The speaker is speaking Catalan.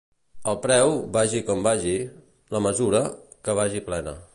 El preu, vagi com vagi; la mesura, que vagi plena.